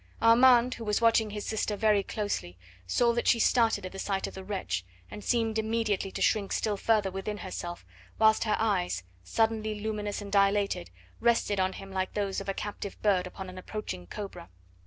Armand, who was watching his sister very closely, saw that she started at the sight of the wretch, and seemed immediately to shrink still further within herself, whilst her eyes, suddenly luminous and dilated, rested on him like those of a captive bird upon an approaching cobra.